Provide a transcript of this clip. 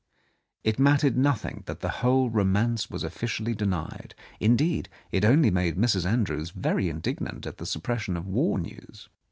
It mattered nothing that the whole romance was officially denied ; indeed, it only made Mrs. Andrews very indignant at the suppression of war news.